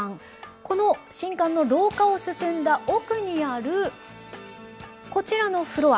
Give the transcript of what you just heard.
この新館の廊下を進んだ奥にあるこちらのフロア。